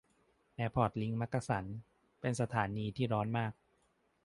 แอร์พอร์ตลิงค์มักกะสัน เป็นสถานีที่ร้อนมาก